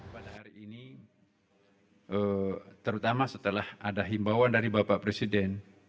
pada hari ini terutama setelah ada himbauan dari bapak presiden